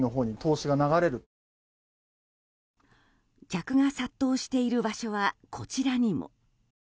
客が殺到している場所はこちらにも。